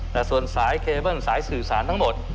แต่ส่วนสายเคเบิ้ลสายสื่อสารทั้งหมด